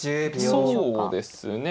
そうですね。